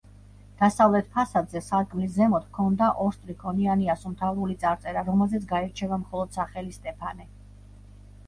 დასავლეთ ფასადზე სარკმლის ზემოთ ჰქონდა ორსტრიქონიანი ასომთავრული წარწერა რომელზეც გაირჩევა მხოლოდ სახელი სტეფანე.